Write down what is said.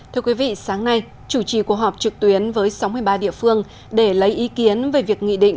thưa quý vị sáng nay chủ trì cuộc họp trực tuyến với sáu mươi ba địa phương để lấy ý kiến về việc nghị định